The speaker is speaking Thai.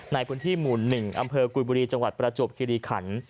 ในพื้นที่หมู่๑อำเภอกุยบุรีจังหวัดประจวบคิริขัน